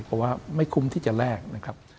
เพราะว่าไม่คุ้มที่จะแลกนะครับ